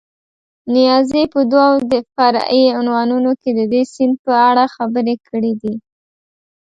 نیازي په دوو فرعي عنوانونو کې د دې سیند په اړه خبرې کړې دي.